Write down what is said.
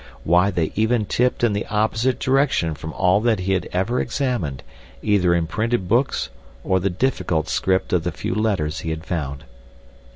Why, they even tipped in the opposite direction from all that he had ever examined either in printed books or the difficult script of the few letters he had found.